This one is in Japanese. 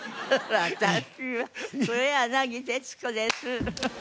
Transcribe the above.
「私は黒柳徹子です」